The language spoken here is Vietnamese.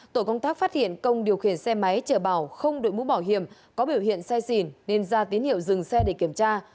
tổ công tác phát hiện công điều khiển xe máy chở bảo không đội mũ bảo hiểm có biểu hiện xe xìn nên ra tín hiệu dừng xe để kiểm tra